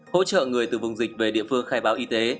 hỗ trợ người từ vùng dịch về địa phương khai báo y tế